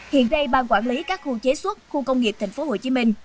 hiện đây ban quản lý các khu chế xuất khu công nghiệp thành phố hồ chí minh